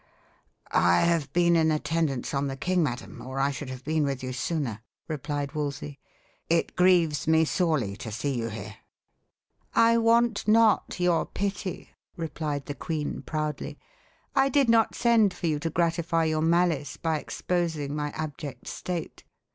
"I have been in attendance on the king, madam, or I should have been with you sooner," replied Wolsey. "It grieves me sorely to see you here." "I want not your pity," replied the queen proudly. "I did not send for you to gratify your malice by exposing my abject state.